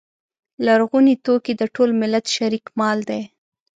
لرغوني توکي د ټول ملت شریک مال دی.